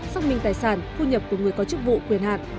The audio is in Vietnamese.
xác minh tài sản thu nhập của người có chức vụ quyền hạn